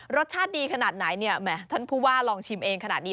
รสชาติดีขนาดไหนเนี่ยแหมท่านผู้ว่าลองชิมเองขนาดนี้